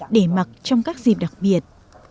để mặc trong các dịp đặc biệt